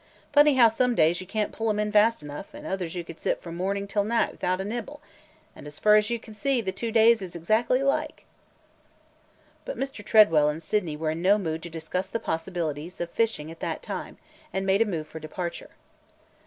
Funny how some days you can 't pull 'em in fast enough; an' others you could sit from mornin' till night 'thout a nibble; an' as fur as you kin see, the two days is exactly alike!" But Mr. Tredwell and Sydney were in no mood to discuss the possibilities of fishing at that time, and made a move for departure.